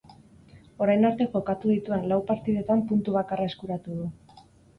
Orain arte jokatu dituen lau partidetan puntu bakarra eskuratu du.